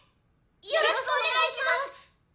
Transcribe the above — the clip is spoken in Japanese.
よろしくお願いします！